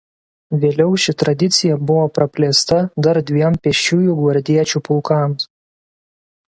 Vėliau ši tradicija buvo praplėsta dar dviem pėsčiųjų gvardiečių pulkams.